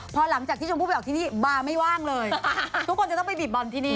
พอหลังจากที่ชมพูไปออกที่นี่บาร์ไม่ว่างเลยทุกคนจะต้องไปบีบบอลที่นี่